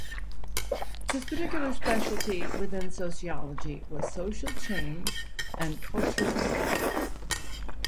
His particular specialty within sociology was social change and cultural studies.